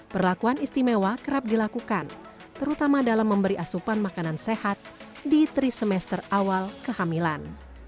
perlakuan istimewa kerap dilakukan terutama dalam memberi asupan makanan sehat di trisemester awal kehamilan